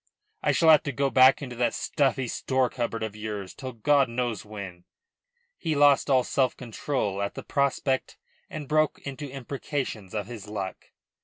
I shall have to go back into that stuffy store cupboard of yours till God knows when." He lost all self control at the prospect and broke into imprecations of his luck.